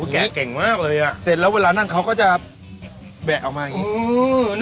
แกเก่งมากเลยอ่ะเสร็จแล้วเวลานั่งเขาก็จะแบะออกมาอย่างนี้